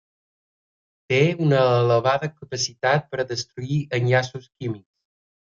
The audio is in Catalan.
Té una elevada capacitat per a destruir enllaços químics.